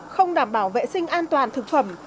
không đảm bảo vệ sinh an toàn thực phẩm